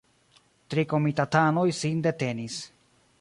Tri komitatanoj sin detenis.